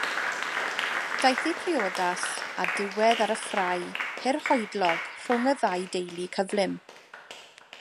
Daeth eu priodas â diwedd ar y ffrae hirhoedlog rhwng y ddau deulu cyflym.